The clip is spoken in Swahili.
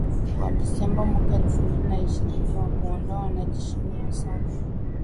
wa Disemba mwaka elfu mbili na ishirini wa kuwaondoa wanajeshi mia saba